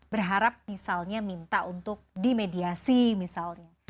berharap misalnya minta untuk dimediasi misalnya